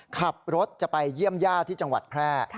ขับรถจะไปเยี่ยมย่าที่จังหวัดแพร่